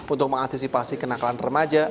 untuk mengantisipasi kenakalan remaja